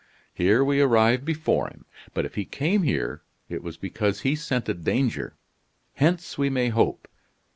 Here we arrive before him. But if he came here, it was because he scented danger. Hence, we may hope.